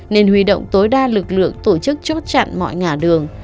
nên huy động tối đa lực lượng tổ chức chốt chặn mọi ngã đường